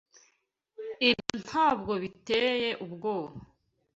Ibyo ntabwo biteye ubwoba